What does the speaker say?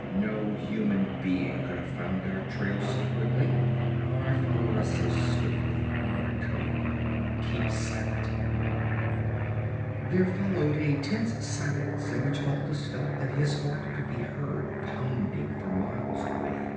'No human being could have found our trail so quickly, or followed us so swiftly,' muttered Conan. 'Keep silent.' There followed a tense silence in which Balthus felt that his heart could be heard pounding for miles away.